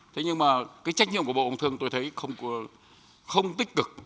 thế nhưng mà cái trách nhiệm của bộ công thương tôi thấy không tích cực